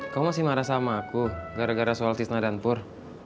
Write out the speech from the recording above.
kamu masih marah sama aku gara gara soal fitnah dan pur